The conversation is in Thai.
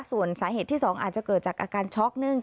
ส่วนสาเหตุที่๒อาจจะเกิดจากอาการช็อกนึง